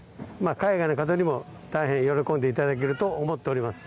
海外の人にも大変喜んでいただけると思っております。